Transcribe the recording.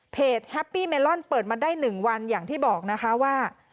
แฮปปี้เมลอนเปิดมาได้๑วันอย่างที่บอกนะคะว่า